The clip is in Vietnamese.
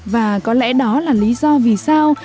và có lẽ đó là lý do vì sao